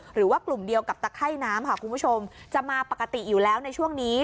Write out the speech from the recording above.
หรือว่ากลุ่มเดียวกับตะไข้น้ำค่ะคุณผู้ชมจะมาปกติอยู่แล้วในช่วงนี้